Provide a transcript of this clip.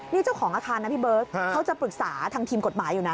นี่เจ้าของอาคารนะพี่เบิร์ตเขาจะปรึกษาทางทีมกฎหมายอยู่นะ